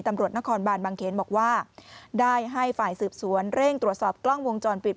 ตำรวจนครบานบางเขนบอกว่าได้ให้ฝ่ายสืบสวนเร่งตรวจสอบกล้องวงจรปิด